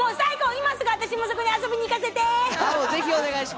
今すぐ私も遊びに行かせて！